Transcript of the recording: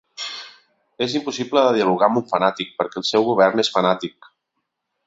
És impossible de dialogar amb un fanàtic, perquè el seu govern és fanàtic.